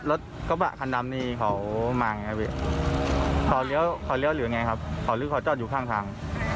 รถกระบะคันนำอยู่บนข้างอยู่ข้างทาง